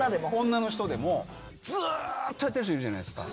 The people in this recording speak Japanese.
女の人でもずーっとやってる人いるじゃないですか。